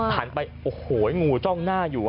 ไปโอ้โหงูจ้องหน้าอยู่